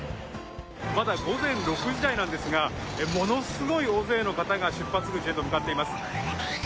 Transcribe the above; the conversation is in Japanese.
まだ午前６時台なんですがものすごい大勢の方が出発口へと向かっています。